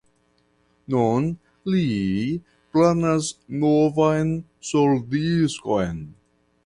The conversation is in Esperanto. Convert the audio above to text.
Nun li planas novan soldiskon.